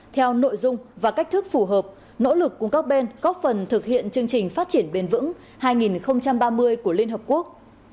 theo nội dung và cách thức phù hợp nỗ lực cùng các bên góp phần thực hiện chương trình phát triển bền vững hai nghìn ba mươi của liên hợp quốc